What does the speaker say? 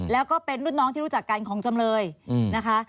แล้วก็เป็นรุ่นน้องที่รู้จักกันของจำเลยนะคะ